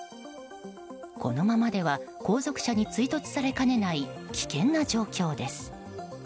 このままでは後続車に追突されかねない危険な状況です。